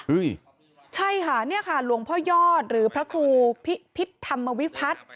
ใช่ค่ะเนี่ยค่ะหลวงพ่อยอดหรือพระครูพิพิษธรรมวิพัฒน์